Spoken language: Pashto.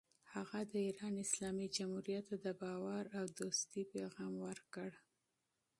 هغه د ایران اسلامي جمهوریت ته د باور او دوستۍ پیغام ورکړ.